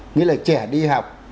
nghĩa là trẻ đi học